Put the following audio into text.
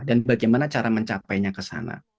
dan bagaimana cara mencapainya ke sana